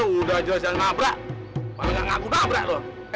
udah jelas yang nabrak malah gak ngaku nabrak loh